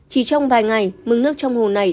chỉ trong vài ngày mức nước trong hồ này